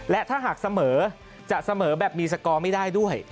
และถ้าหากเสมอจะเสมอแบบมีสกอร์ไม่ได้ด้วย